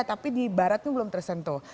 tapi di baratnya belum tersentuh